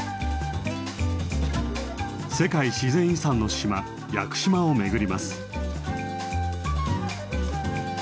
世界自然遺産の島屋久島を巡ります。